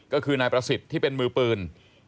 ก็คือนายประสิทธิ์ที่เป็นมือปืน